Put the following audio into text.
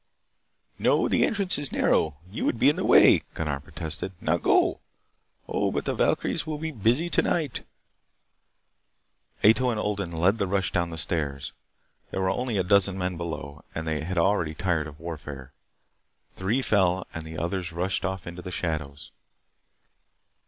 "No. The entrance is narrow. You would be in the way," Gunnar protested. "Now, go! Oh, but the valkyries will be busy tonight!" Ato and Odin led the rush down the stairs. There were only a dozen men below and they had already tired of warfare. Three fell and the others rushed off into the shadows.